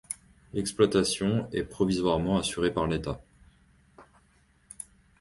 L'exploitation est provisoirement assurée par l'État.